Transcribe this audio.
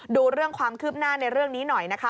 ดูเรื่องความคืบหน้าในเรื่องนี้หน่อยนะคะ